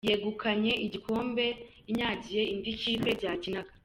yegukanye igikombe inyagiye indikipe Byakinaga